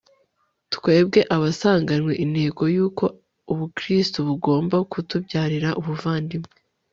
twebwe abasanganwe intego y'uko ubukristu bugomba kutubyarira ubuvandimwe